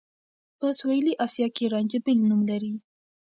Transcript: په سوېلي اسيا کې رانجه بېل نوم لري.